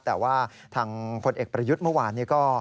แต่ว่าทางพลเอกประยุทธ์เมื่อวานนี้ก็